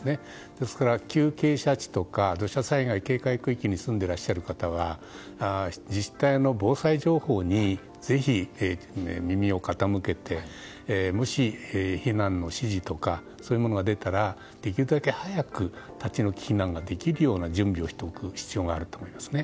ですから、急傾斜地とか土砂災害警戒地域に住んでいらっしゃる方は自治体の防災情報にぜひ耳を傾けてもし避難の指示とかそういうものが出たらできるだけ早く立ち退き避難ができるような準備をしておく必要がありますね。